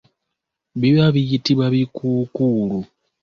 Biba biyitibwa bikuukuulu.